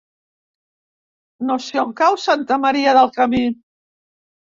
No sé on cau Santa Maria del Camí.